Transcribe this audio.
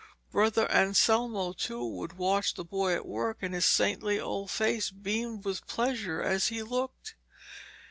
Brother Anselmo, too, would watch the boy at work, and his saintly old face beamed with pleasure as he looked.